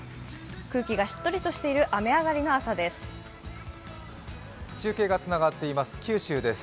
空気がしっとりとしている、雨上がりの朝です。